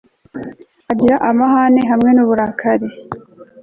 agira amahane hamwe n'uburakari